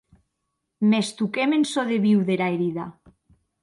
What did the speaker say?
Mès toquem en çò de viu dera herida.